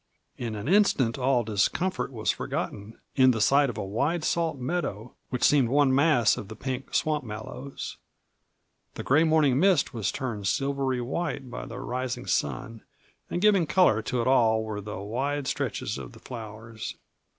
In an instant all discomfort was forgotten in the sight of a wide salt meadow which seemed one mass of the pink swamp mallows. The gray morning mist was turned silvery white by the rising sun, and giving color to it all were the wide stretches of the flowers.